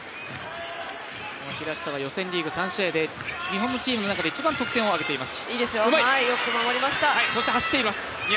平下は予選リーグ３試合で日本のチームの中で一番得点を挙げています。